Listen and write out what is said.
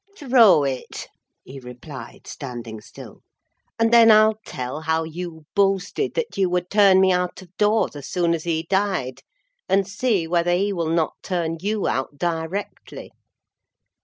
"Throw it," he replied, standing still, "and then I'll tell how you boasted that you would turn me out of doors as soon as he died, and see whether he will not turn you out directly."